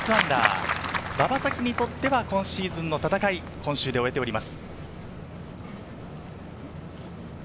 馬場咲希にとっては今シーズンの戦い、今週、終えています。